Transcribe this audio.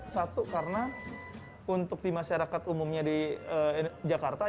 satu karena untuk di masyarakat umumnya di jakarta